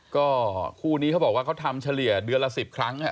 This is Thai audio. ก็คู่นี้เขาบอกว่าเขาทำเฉลี่ยเดือนละ๑๐ครั้ง